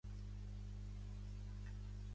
G. K. Chesterton també va ser crític.